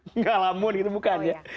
enggak alamun gitu bukan ya